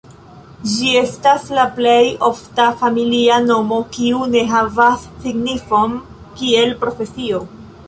Ĝi estas la plej ofta familia nomo kiu ne havas signifon kiel profesio.